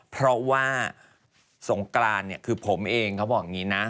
เพราะว่าสงกรานเนี่ยคือผมเองเขาบอกอย่างนี้นะ